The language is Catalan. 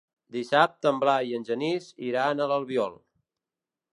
Dissabte en Blai i en Genís iran a l'Albiol.